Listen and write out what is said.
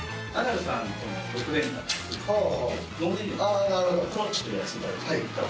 ああなるほど。